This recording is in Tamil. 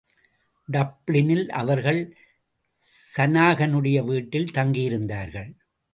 டப்ளினில் அவர்கள் ஷனாகனுடைய வீட்டில் தங்கியிருந்தார்கள்.